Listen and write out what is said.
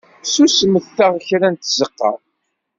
Susmet-aɣ kra deg tzeqqa!